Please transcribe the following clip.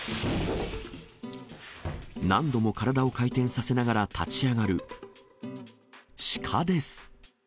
何度も体を回転させながら立ち上がる、シカです。